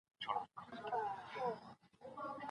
دلارام د خپلې پراخې دښتې له امله د مالدارۍ لپاره مناسب دی.